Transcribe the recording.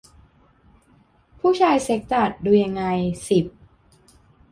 ผู้ชายเซ็กส์จัด ดูยังไง สิบ